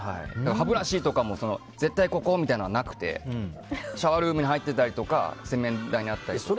歯ブラシとかも絶対ここというのはなくてシャワールームに入ってたりとか洗面台に置いてあったりとか。